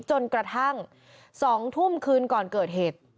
จนกระทั่ง๒ทุ่มคืนก่อนเกิดเหตุ